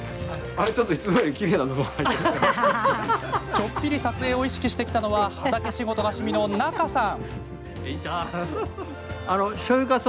ちょっぴり撮影を意識して来たのは畑仕事が趣味の仲さん。